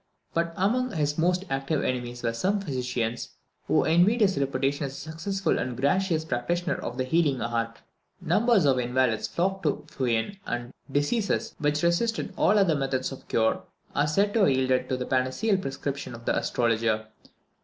But among his most active enemies were some physicians, who envied his reputation as a successful and a gratuitous practitioner of the healing art. Numbers of invalids flocked to Huen, and diseases, which resisted all other methods of cure, are said to have yielded to the panaceal prescription of the astrologer.